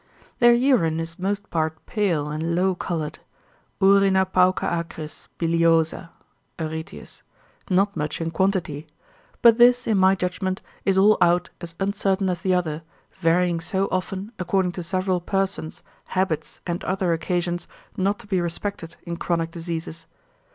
Their urine is most part pale, and low coloured, urina pauca acris, biliosa (Areteus), not much in quantity; but this, in my judgment, is all out as uncertain as the other, varying so often according to several persons, habits, and other occasions not to be respected in chronic diseases.